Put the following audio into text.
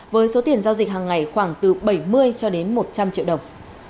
với số tiền giao dịch hàng ngày khoảng từ bảy mươi cho đến một trăm linh triệu đồng